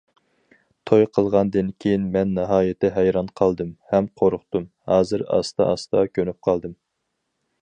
توي قىلغاندىن كېيىن مەن ناھايىتى ھەيران قالدىم ھەم قورقتۇم، ھازىر ئاستا- ئاستا كۆنۈپ قالدىم.